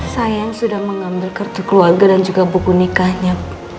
saya sudah mengambil kartu keluarga dan juga buku nikahnya